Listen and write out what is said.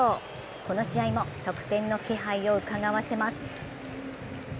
この試合も得点の気配を伺わせます。